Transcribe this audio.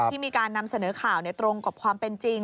ที่มีการนำเสนอข่าวตรงกับความเป็นจริง